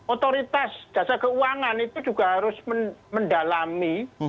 otoritas jasa keuangan itu juga harus mendalami